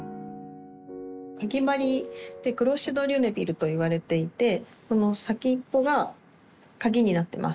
「クロシェ・ド・リュネビル」といわれていてこの先っぽがかぎになってます。